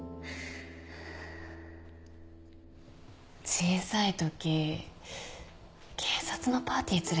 小さいとき警察のパーティー連れていかれるの嫌だった。